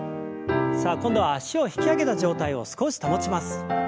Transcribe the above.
さあ今度は脚を引き上げた状態を少し保ちます。